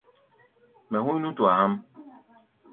Mɛ hú̧í̧ nútua há̧ʼm.